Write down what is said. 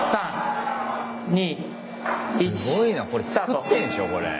すごいなこれ作ってんでしょこれ。